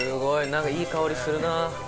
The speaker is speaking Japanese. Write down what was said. なんかいい香りするな。